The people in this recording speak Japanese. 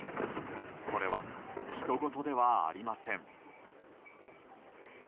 これはひとごとではありません。